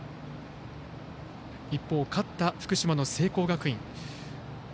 一方、勝った福島の聖光学院。